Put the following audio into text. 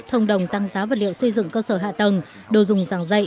thông đồng tăng giá vật liệu xây dựng cơ sở hạ tầng đồ dùng giảng dạy